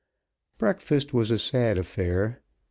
Breakfast was a sad affair.